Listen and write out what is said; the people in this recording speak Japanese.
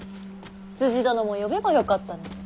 つつじ殿も呼べばよかったのに。